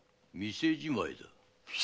店じまい⁉